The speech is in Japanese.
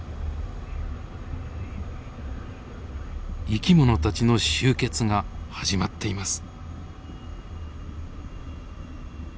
生き物たちの集結が始まっています。